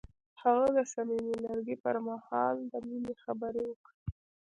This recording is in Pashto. هغه د صمیمي لرګی پر مهال د مینې خبرې وکړې.